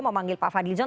memanggil pak fadlizon